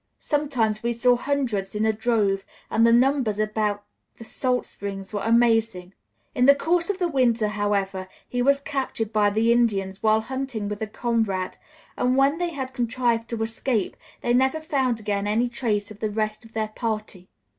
Sometimes we saw hundreds in a drove, and the numbers about the salt springs were amazing." In the course of the winter, however, he was captured by the Indians while hunting with a comrade, and when they had contrived to escape they never found again any trace of the rest of their party.